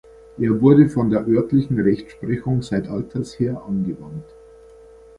Er wurde von der örtlichen Rechtsprechung „seit alters her“ angewandt.